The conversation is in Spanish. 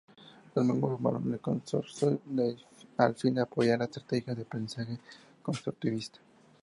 Los miembros formaron el Consorcio a fin de apoyar las estrategias de aprendizaje constructivista.